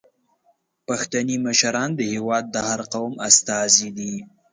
پښتني مشران د هیواد د هر قوم استازي دي.